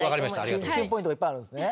きゅんポイントがいっぱいあるんですね。